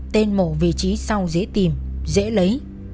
tên mộ vị trí sau dễ tìm dễ lấy